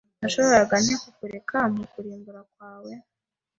Nashobora nte kukurekera mu kurimbuka kwawe